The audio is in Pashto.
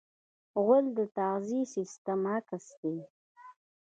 غول د تغذیې سیستم عکس دی.